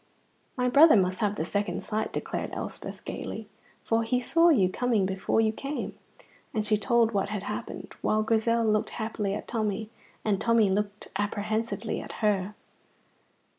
"My brother must have the second sight," declared Elspeth, gaily, "for he saw you coming before you came"; and she told what had happened, while Grizel looked happily at Tommy, and Tommy looked apprehensively at her.